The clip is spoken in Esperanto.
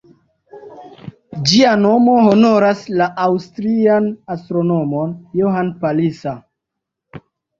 Ĝia nomo honoras la aŭstrian astronomon Johann Palisa.